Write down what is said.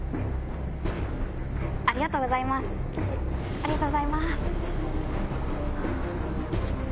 ありがとうございます。